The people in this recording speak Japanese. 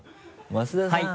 増田さん。